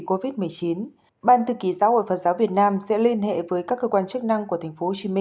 covid một mươi chín ban thư ký giáo hội phật giáo việt nam sẽ liên hệ với các cơ quan chức năng của tp hcm